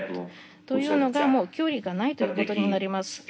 というのは、もう距離がないということになります。